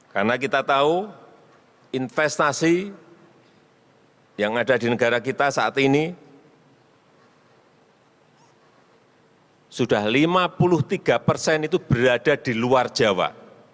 karena kita tahu investasi yang ada di negara kita saat ini sudah lima puluh tiga persen itu berada di luar jawa